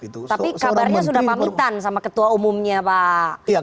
tapi kabarnya sudah pamitan sama ketua umumnya pak